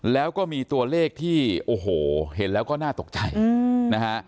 แล้วก็มีตัวเลขที่โอ้โหเห็นแล้วก็น่าตกใจนะฮะ